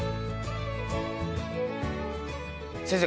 先生